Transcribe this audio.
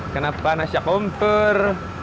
kenapa panasnya kompor